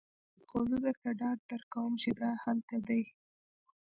خو زه درته ډاډ درکوم چې دا هلته دی